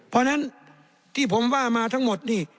เพราะฉะนั้นที่ผมว่ามาทั้งหมดนี่